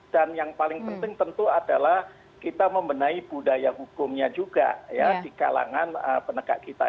dan yang paling penting tentu adalah kita membenahi budaya hukumnya juga ya di kalangan penegak kita